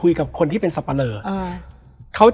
แล้วสักครั้งหนึ่งเขารู้สึกอึดอัดที่หน้าอก